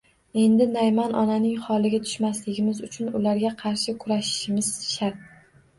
Endi Nayman onaning holiga tushmasligimiz uchun ularga qarshi kurashishimiz shart.